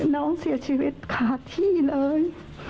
น้องเสียชีวิตขาดที่เลย